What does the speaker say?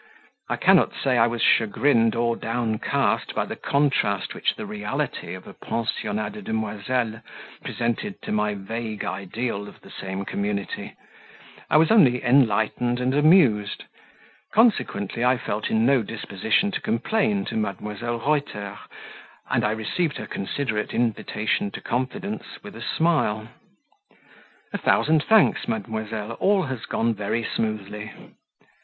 I cannot say I was chagrined or downcast by the contrast which the reality of a pensionnat de demoiselles presented to my vague ideal of the same community; I was only enlightened and amused; consequently, I felt in no disposition to complain to Mdlle. Reuter, and I received her considerate invitation to confidence with a smile. "A thousand thanks, mademoiselle, all has gone very smoothly."